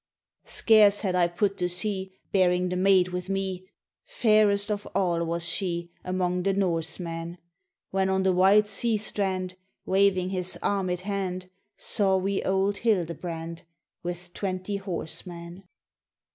"Scarce had I put to sea, Bearing the maid with me, Fairest of all was she Among the Norsemen! RAINBOW GOLD When on the white sea strand, Waving his armed hand, Saw we old Hildebrand, With twenty horsemen.